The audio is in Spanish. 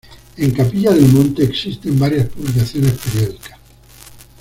En Capilla del Monte existen varias publicaciones periódicas.